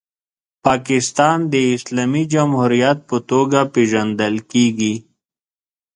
پاکستان د اسلامي جمهوریت په توګه پیژندل کیږي.